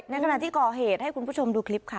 ในขณะที่ก่อเหตุให้คุณผู้ชมดูคลิปค่ะ